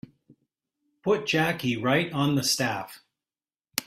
Put Jackie right on the staff.